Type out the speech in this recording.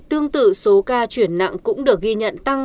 tương tự số ca chuyển nặng cũng được ghi nhận tăng